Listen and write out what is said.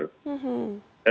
itu belum dipakai poster